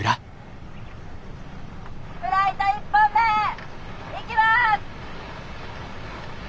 フライト１本目いきます！